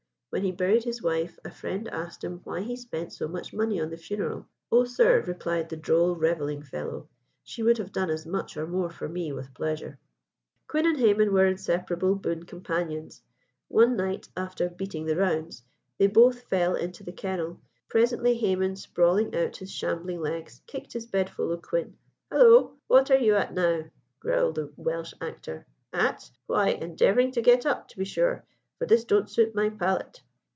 When he buried his wife, a friend asked him why he spent so much money on the funeral. "Oh, sir," replied the droll, revelling fellow, "she would have done as much or more for me with pleasure." Quin and Hayman were inseparable boon companions. One night, after "beating the rounds," they both fell into the kennel. Presently Hayman, sprawling out his shambling legs, kicked his bedfellow Quin. "Hallo! what are you at now?" growled the Welsh actor. "At? why, endeavouring to get up, to be sure, for this don't suit my palate."